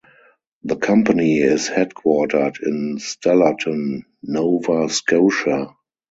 The company is headquartered in Stellarton, Nova Scotia.